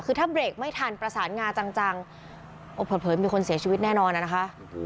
คือถ้าเบรกไม่ทันประสานงาจังเผลอมีคนเสียชีวิตแน่นอนนะคะ